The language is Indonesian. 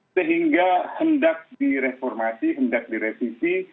sehingga hendak direformasi hendak direvisi